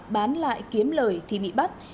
bán lại kiếm lời thì bị bắt